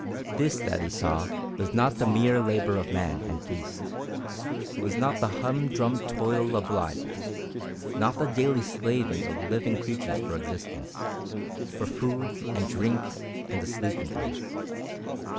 This that he saw was not the mere labour of man and beast; it was not the humdrum toil of life, not the daily slaving of living creatures for existence for food, and drink, and a sleeping place.